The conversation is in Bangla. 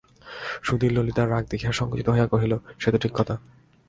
সুধীর ললিতার রাগ দেখিয়া সংকুচিত হইয়া কহিল, সে তো ঠিক কথা।